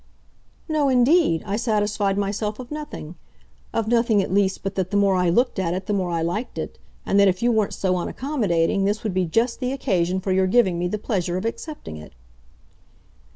"No indeed, I satisfied myself of nothing. Of nothing at least but that the more I looked at it the more I liked it, and that if you weren't so unaccommodating this would be just the occasion for your giving me the pleasure of accepting it."